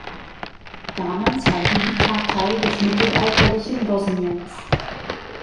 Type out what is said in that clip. Damals war Dubica Teil des mittelalterlichen Bosniens.